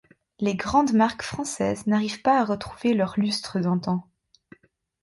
Les grandes marques françaises n’arrivent pas à retrouver leur lustre d’antan.